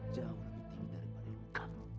jauh lebih tinggi daripada ilmu kamu